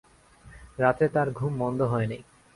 রাত্রে তার ঘুম মন্দ হয় নাই।